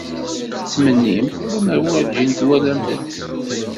Ad tmennimt lemmer werjin twalamt-t.